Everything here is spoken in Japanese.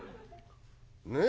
ねえ？